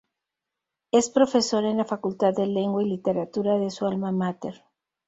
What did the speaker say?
Es profesor en la Facultad de Lengua y Literatura de su alma máter.